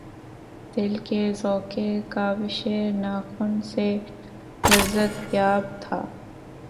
دل کہ ذوقِ کاوشِ ناخن سے لذت یاب تھا